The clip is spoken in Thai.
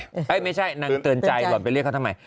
ไม่ใช่นางเตือนใจหล่อนไปเรียกเขาทำไม